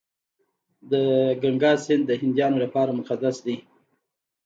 د ګنګا سیند د هندیانو لپاره مقدس دی.